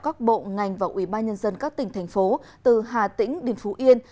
các bộ ngành và ủy ba nhân dân các tỉnh thành phố từ hà tỉnh điện phú yên